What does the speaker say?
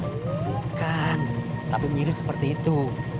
bukan tapi mirip seperti itu